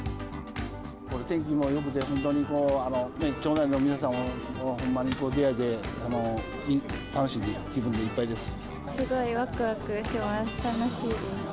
天気もよくて、本当に町内の皆さんともほんまに出会えて、いい、楽しい気分でいすごいわくわくします。